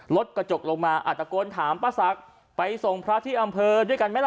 รถกระจกลงมาอาจตะโกนถามป้าศักดิ์ไปส่งพระที่อำเภอด้วยกันไหมล่ะ